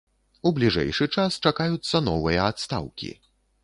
У бліжэйшы час чакаюцца новыя адстаўкі.